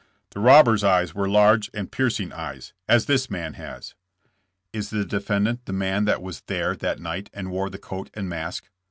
"The robber's eyes wepe large and piercing eyes, as this man has." "Is the defendant the man that was there that night and wore the coat and mask